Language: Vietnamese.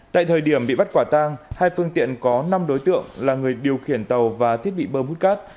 tại thời điểm bị bắt quả tang hai phương tiện có năm đối tượng là người điều khiển tàu và thiết bị bơm hút cát